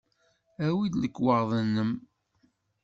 Awi-d lekwaɣeḍ-nnem.